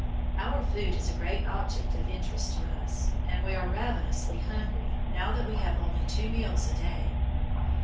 Our food is a great object of interest to us, and we are ravenously hungry now that we have only two meals a day.